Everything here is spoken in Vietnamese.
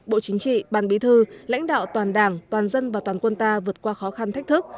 bộ chính trị ban bí thư lãnh đạo toàn đảng toàn dân và toàn quân ta vượt qua khó khăn thách thức